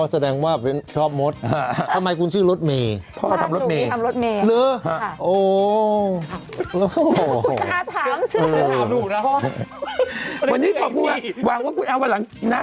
แสดงว่าชอบมดค่ะทำไมคุณชื่อรถเม่หลือโอ้โหวันนี้ขอบคุณค่ะวางว่าคุณเอามาหลังนะ